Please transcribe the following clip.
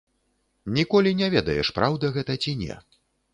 Ніколі не ведаеш, праўда гэта ці не.